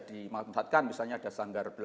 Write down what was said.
dimanfaatkan misalnya ada sanggar